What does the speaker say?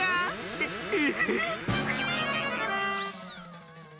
ええ。